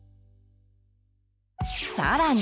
さらに！